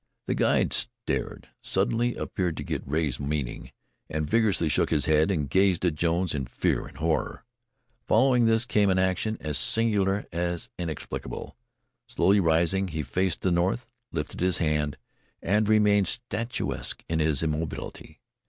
The guide stared, suddenly appeared to get Rea's meaning, then vigorously shook his head and gazed at Jones in fear and horror. Following this came an action as singular as inexplicable. Slowly rising, he faced the north, lifted his hand, and remained statuesque in his immobility.